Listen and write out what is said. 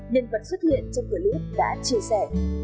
nhân vật xuất hiện trong clip đã chia sẻ